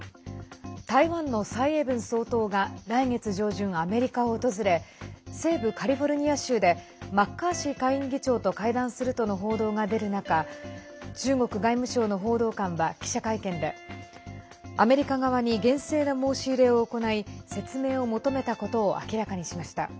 台湾の蔡英文総統が来月上旬アメリカを訪れ西部カリフォルニア州でマッカーシー下院議長と会談するとの報道が出る中中国外務省の報道官は記者会見でアメリカ側に厳正な申し入れを行い説明を求めたことを明らかにしました。